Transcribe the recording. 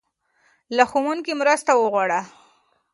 له ښوونکي مرسته وغواړه.